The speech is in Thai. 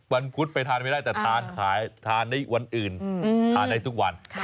วันกุฏไปทานไม่ได้แต่ทานในวันอื่นทานได้ทุกวัน